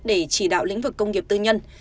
để chỉ đạo lĩnh vực công nghiệp tư nhân